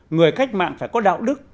người cách mạng phải có đạo đức